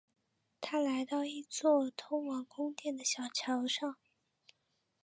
他来到一座通往宫殿的小桥上。